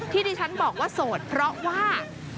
ที่ที่ฉันบอกว่าโสดเพราะว่า